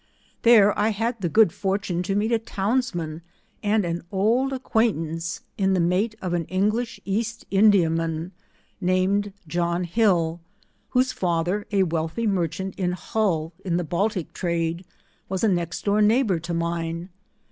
There I had the good fortune to meet a townsman and an old acquaintance, in the mate of an English East India man, named John Hill, whose father, a wealthy merchant in Hull, in the Baltic trade, was a next door neighbour to mine.